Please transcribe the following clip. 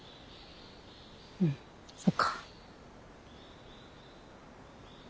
うんそっか。